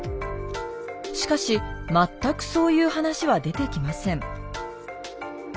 しかし全くそういう話は出てきません。